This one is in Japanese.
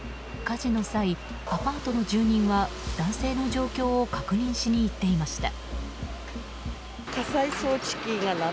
火事の際、アパートの住人は男性の状況を確認しに行っていました。